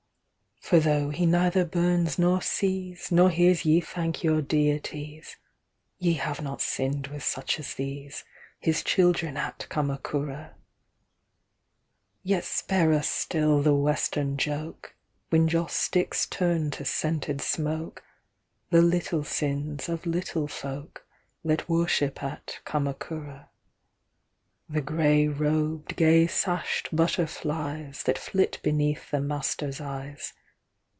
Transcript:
For though he neither burns nor sees, Nor hears ye thank your Deities, Ye have not sinned with such as these, His children at Kamakura, Yet spare us still the Western jokeWhen joss sticks turn to scented smokeThe little sins of little folkThat worship at Kamakura—The grey robed, gay sashed butterfliesThat flit beneath the Master's eyes.